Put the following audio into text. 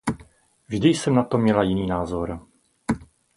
Vždy jsem na to měla jiný názor.